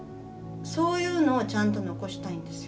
そういうのをちゃんと残したいんですよ。